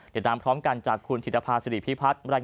เป็นตามพร้อมกันจากคุณธิตภาษิริพิพัช